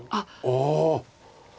ああ。